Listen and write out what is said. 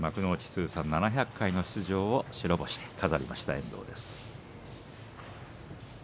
通算７００回の出場を白星で飾りました遠藤です。